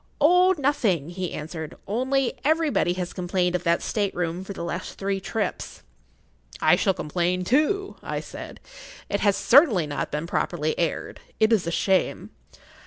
"Oh—nothing," he answered; "only everybody has complained of that state room for the last three trips." "I shall complain too," I said. "It has certainly not been properly aired. It is a shame!"